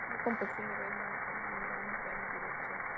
Estudió composición en Detmold con Wilhelm Maler, piano y dirección.